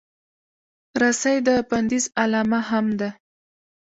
رسۍ د بندیز علامه هم ده.